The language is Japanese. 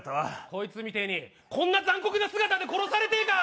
こいつみてえにこんな残酷な姿で殺されてえか！？